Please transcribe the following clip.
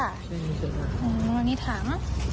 อันนี้ถัง